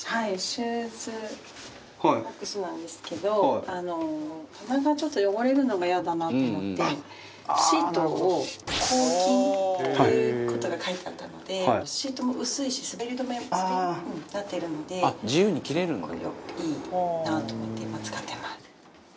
シューズボックスなんですけど棚がちょっと汚れるのがイヤだなと思ってシートを抗菌っていう事が書いてあったのでシートも薄いし滑り止め滑りにくくなっているのでこれをいいなと思って今使ってます。